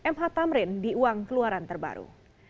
mh tamrin di uang keluaran terbaru